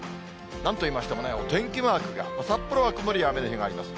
なんといいましてもね、お天気マークが、札幌は曇りや雨の日もあります。